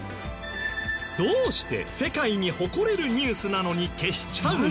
どうして世界に誇れるニュースなのに消しちゃうのか？